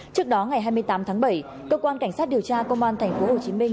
trước đó ngày hai mươi tám tháng bảy cơ quan cảnh sát điều tra công an thành phố hồ chí minh